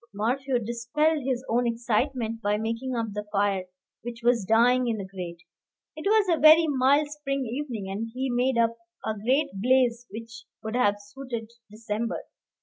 Morphew dispelled his own excitement by making up the fire, which was dying in the grate. It was a very mild spring evening, and he made up a great blaze which would have suited December.